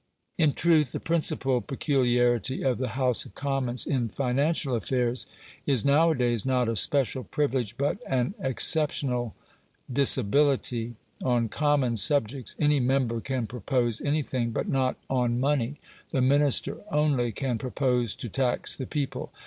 In truth, the principal peculiarity of the House of Commons in financial affairs is nowadays not a special privilege, but an exceptional disability. On common subjects any member can propose anything, but not on money the Minister only can propose to tax the people.